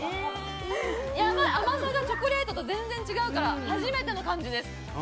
甘さがチョコレートと全然違うから初めての感じです。